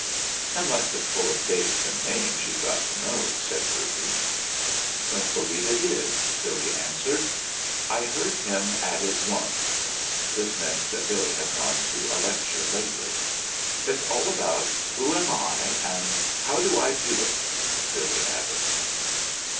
"Unless it's full of dates and names you've got to know," said Bertie. "Don't believe it is," Billy answered. "I heard him at it once." (This meant that Billy had gone to a lecture lately.) "It's all about Who am I? and How do I do it?" Billy added.